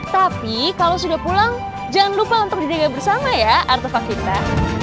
tapi kalau sudah pulang jangan lupa untuk dijaga bersama ya artefak kita